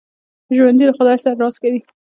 ژوندي له خدای سره راز کوي